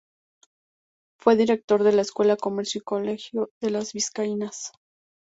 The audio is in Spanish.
Fue director de la Escuela de Comercio y del Colegio de las Vizcaínas.